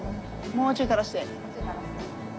もうちょい垂らして。